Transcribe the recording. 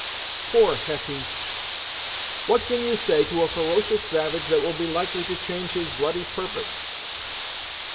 "Poor Hetty! What can you say to a ferocious savage that will be likely to change his bloody purpose!"